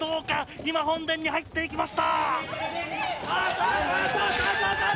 今、本殿に入っていきました。